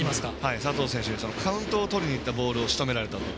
佐藤選手にカウントをとりにいったボールをしとめられたので。